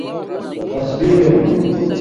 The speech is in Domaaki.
تصبیررمہ